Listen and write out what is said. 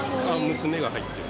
娘が入ってる。